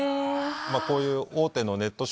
こういう大手のネット